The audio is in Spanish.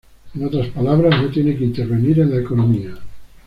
En otras palabras, no tiene que intervenir en la economía.